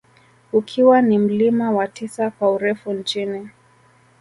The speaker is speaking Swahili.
Ukiwa ni mlima wa tisa kwa urefu nchini